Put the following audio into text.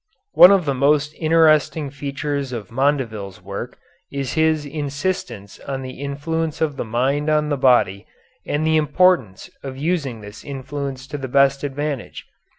One of the most interesting features of Mondeville's work is his insistence on the influence of the mind on the body and the importance of using this influence to the best advantage.